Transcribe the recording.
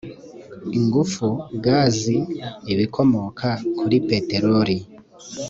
ingufu gazi ibikomoka kuri peteroli